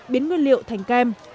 biến nguyên liệu thành kem